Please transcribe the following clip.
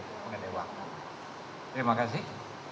mengenai wakil terima kasih